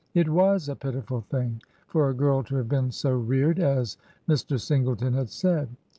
It was a pitiful thing for a girl to have been so reared, as Mr. Singleton had said.